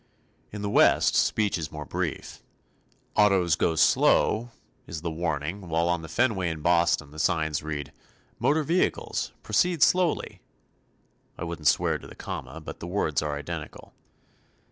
In the West, speech is more brief. "Autos go slow" is the warning while on the Fenway in Boston the signs read "Motor Vehicles, Proceed Slowly." I wouldn't swear to the comma but the words are identical.